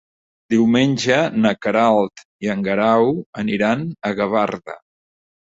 Diumenge na Queralt i en Guerau aniran a Gavarda.